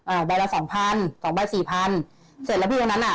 ใบละสองพันสองใบสี่พันเสร็จแล้วพี่วันนั้นอ่ะ